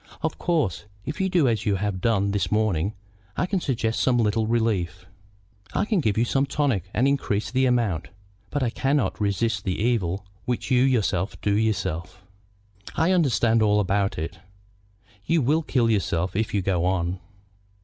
Of course, if you do as you have done this morning, I can suggest some little relief. I can give you tonics and increase the amount; but I cannot resist the evil which you yourself do yourself." "I understand all about it." "You will kill yourself if you go on."